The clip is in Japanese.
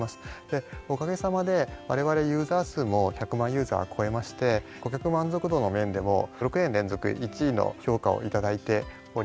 でおかげさまでわれわれユーザー数も１００万ユーザー超えまして顧客満足度の面でも６年連続１位の評価を頂いております。